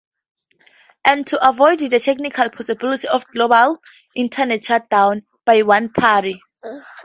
And to avoid the technical possibility of global "Internet shutdown" by one party.